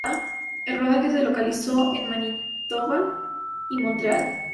El rodaje se localizó en Manitoba y Montreal.